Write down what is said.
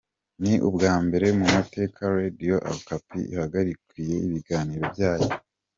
Ni ubwa mbere mu mateka Radio Okapi ihagarikiwe ibiganiro byayo.